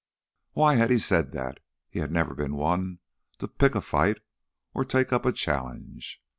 Why had he said that? He had never been one to pick a fight or take up a challenge.